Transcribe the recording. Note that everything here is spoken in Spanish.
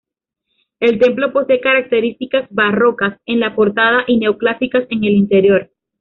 El templo posee características barrocas en la portada y neoclásicas en el interior.